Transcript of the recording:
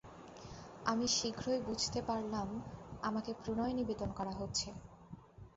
আমি শীঘ্রই বুঝতে পারলাম আমাকে প্রণয় নিবেদন করা হচ্ছে।